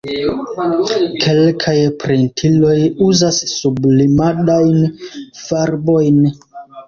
Kelkaj printiloj uzas sublimadajn farbojn.